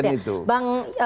nggak ada bsn itu